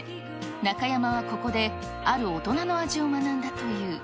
中山はここで、ある大人の味を学んだという。